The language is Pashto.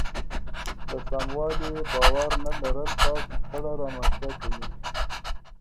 په سموالي يې باور نه لرل داسې شخړه رامنځته کوي.